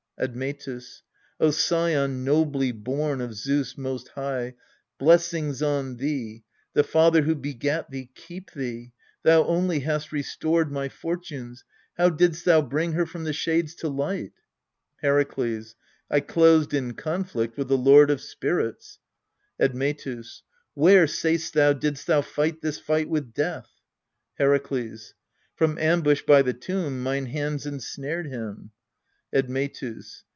Admetiis. O scion nobly born of Zeus most high, Blessings on thee ! The Father who begat thee Keep thee ! Thou only hast restored my fortunes. How didst thou bring her from the shades to light? Herakles. I closed in conflict with the Lord of Spirits. Admetus. Where, sayst thou, didst thou fight this fight with Death ? Herakles. From ambush by the tomb mine hands en snared him. Admetus.